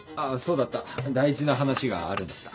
大事な話があるんだった。